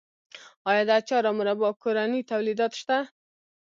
آیا د اچار او مربا کورني تولیدات شته؟